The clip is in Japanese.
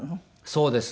そうです。